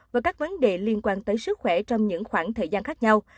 và các vấn đề liên quan tới sức khỏe trong những khoảng thời gian khác nhau